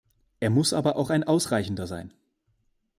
Er muss aber auch ein ausreichender sein.